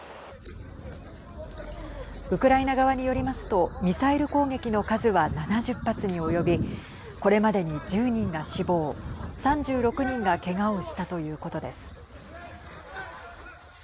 ウクライナ側によりますとミサイル攻撃の数は７０発に及びこれまでに１０人が死亡３６人がけがをしたということです。